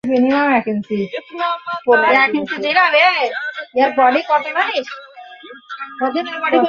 আমাকে দেখে তার এই ত্রস্ততা আমার দেখে খুব ভালো লাগত।